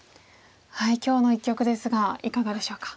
今日の一局ですがいかがでしょうか？